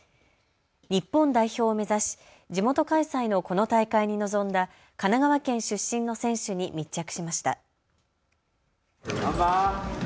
日本代表を目指し地元開催のこの大会に臨んだ神奈川県出身の選手に密着しました。